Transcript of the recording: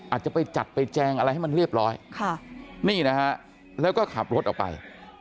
อาจจะไปจัดไปแจงอะไรให้มันเรียบร้อยค่ะนี่นะฮะแล้วก็ขับรถออกไป